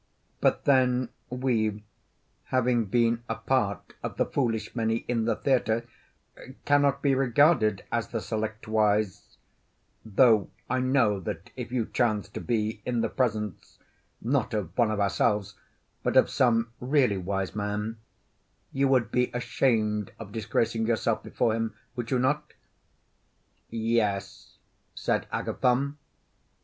But then we, having been a part of the foolish many in the theatre, cannot be regarded as the select wise; though I know that if you chanced to be in the presence, not of one of ourselves, but of some really wise man, you would be ashamed of disgracing yourself before him would you not? Yes, said Agathon.